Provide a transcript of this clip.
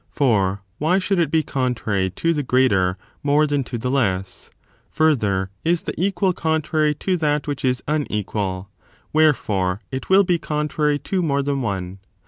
for why should it be contrary to the greater more than to the less ? Further, is the equal contrary to that which is tine€[ual ; wherefore, it will be contrary to more than one.